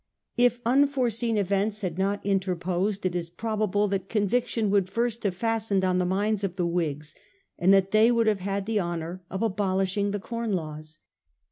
H 1811 6 . THE IRISH FAMINE. B61 unforeseen events had not interposed, it is probable that conviction would first have fastened on the minds of the Whigs, and that they would have had the honour of abolishing the Corn Laws.